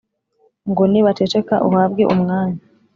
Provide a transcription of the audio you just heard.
ngo nibaceceka uhabwe umwanya